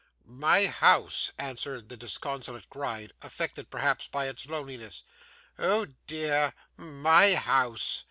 'My house,' answered the disconsolate Gride, affected perhaps by its loneliness. 'Oh dear! my house.